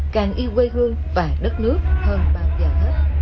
càng yêu quê hương và đất nước hơn bao giờ hết